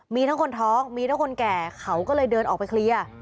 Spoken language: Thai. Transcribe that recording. มีทั้งคนท้องมีทั้งคนแก่เขาก็เลยเดินออกไปเคลียร์